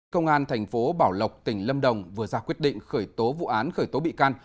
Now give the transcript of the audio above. công an thành phố bảo lộc tỉnh lâm đồng vừa ra quyết định khởi tố vụ án khởi tố bị can